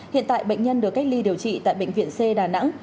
hiện tại bệnh nhân được cách ly điều trị tại bệnh viện c đà nẵng